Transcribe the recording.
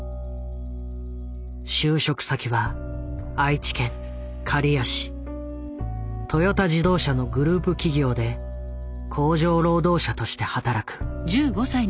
就職先はトヨタ自動車のグループ企業で工場労働者として働く。